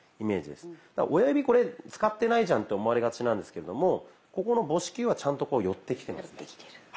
親指これ使ってないじゃんと思われがちなんですけれどもここの母指球はちゃんとこう寄ってきてますね。